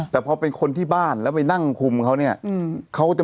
แต่พอเป็นคนที่บ้านแล้วไปนั่งคุมเขาเนี่ย